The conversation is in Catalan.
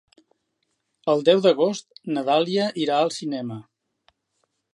El deu d'agost na Dàlia irà al cinema.